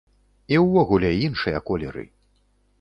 І ўвогуле, іншыя колеры.